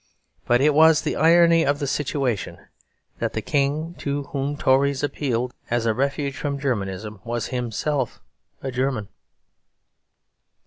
But it was the irony of the situation that the King to whom Tories appealed as a refuge from Germanism was himself a German.